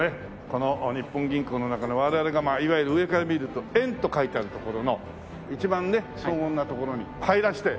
この日本銀行の中の我々がいわゆる上から見ると円と書いてあるところの一番ね荘厳なところに入らせて。